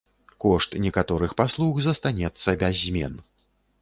Кошт некаторых паслуг застанецца без змен.